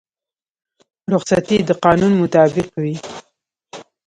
رخصتي د قانون مطابق وي